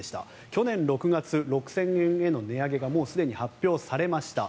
去年６月６０００円への値上げがもうすでに発表されました。